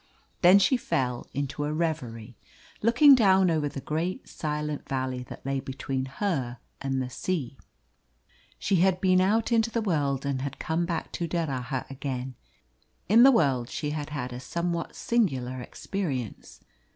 Then she fell into a reverie, looking down over the great silent valley that lay between her and the sea. She had been out into the world and had come back to D'Erraha again. In the world she had had a somewhat singular experience.